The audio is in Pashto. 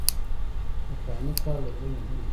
د فلاني کال د جون نهمه کېږي.